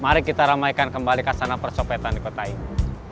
mari kita ramaikan kembali kasana persopetan di kota ini